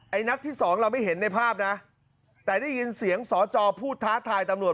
นัดที่สองเราไม่เห็นในภาพนะแต่ได้ยินเสียงสอจอพูดท้าทายตำรวจ